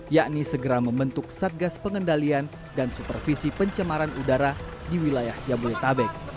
yakni segera membentuk satgas pengendalian dan supervisi pencemaran udara di wilayah jabodetabek